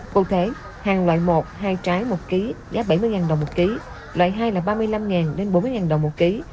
cụ thể hàng loại một hai trái một ký giá bảy mươi đồng một ký loại hai là ba mươi năm đến bốn mươi đồng một ký